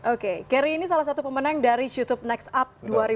oke kary ini salah satu pemenang dari youtube nextup dua ribu tujuh belas